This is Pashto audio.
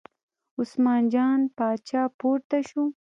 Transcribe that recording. عثمان جان پاچا پورته شو.